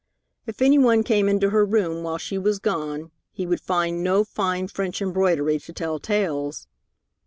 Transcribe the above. If any one came into her room while she was gone, he would find no fine French embroidery to tell tales.